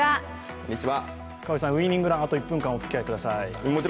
河合さん、ウイニングラン、あと１分間、おつきあいください。